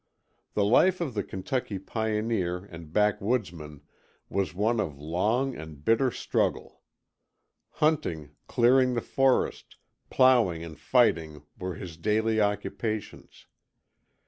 The life of the Kentucky pioneer and backwoodsman was one of long and bitter struggle. Hunting, clearing the forest, plowing and fighting were his daily occupations.